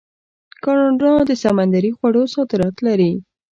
کاناډا د سمندري خوړو صادرات لري.